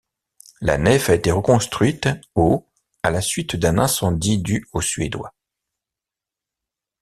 La nef a été reconstruite au à la suite d’un incendie dû aux Suédois.